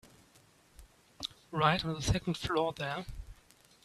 Right on the second floor there.